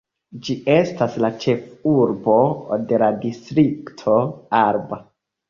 Ĝi estas la ĉefurbo de la Distrikto Alba.